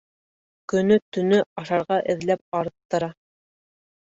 — Көнө-төнө ашарға эҙләп арыттыра.